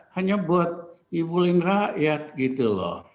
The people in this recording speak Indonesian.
hanya buat ibu lindra iat gitu loh